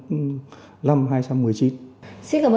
xin cảm ơn đồng chí về cuộc trao đổi ngày hôm nay